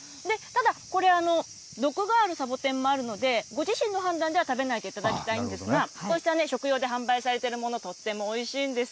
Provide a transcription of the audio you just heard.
ただ、これ、毒があるサボテンもあるので、ご自身の判断では食べないでいただきたいんですが、こうした食用で販売されているもの、とってもおいしいんです。